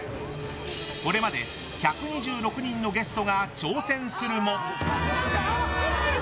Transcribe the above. これまで１２６人のゲストが挑戦するも。